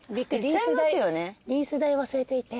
リース代忘れていて。